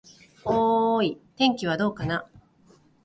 おーーい、天気はどうかな。